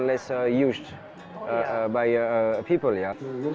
untuk menggorengnya berapa lima puluh